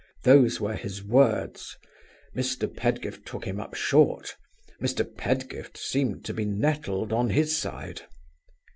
Those were his words. Mr. Pedgift took him up short; Mr. Pedgift seemed to be nettled on his side.